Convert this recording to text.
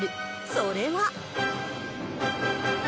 それは。